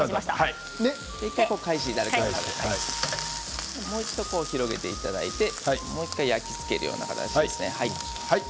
返していただいてもう一度広げていただいてもう一度焼き付けるような形ですね。